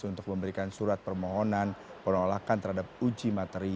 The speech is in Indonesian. untuk memberikan surat permohonan penolakan terhadap uji materi